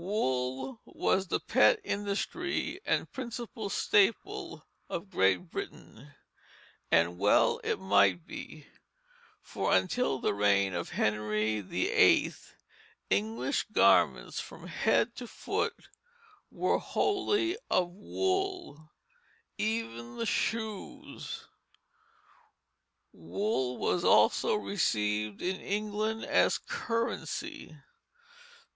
Wool was the pet industry and principal staple of Great Britain; and well it might be, for until the reign of Henry VIII. English garments from head to foot were wholly of wool, even the shoes. Wool was also received in England as currency.